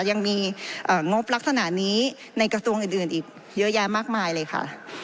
ยังมีงบลักษณะนี้ในกระทรวงอื่นอีกเยอะแยะมากมายเลยค่ะ